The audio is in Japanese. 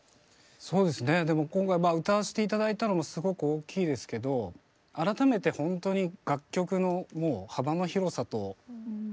そうですねでも今回まあ歌わせて頂いたのもすごく大きいですけど改めてほんとに楽曲のもう幅の広さと作品の多さと名曲の多さと。